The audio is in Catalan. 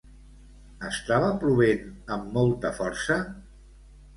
Estava plovent amb molta força?